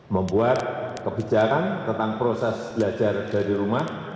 membuat kebijakan tentang proses belajar dari rumah